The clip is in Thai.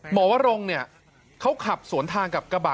วรงเขาขับสวนทางกับกระบะ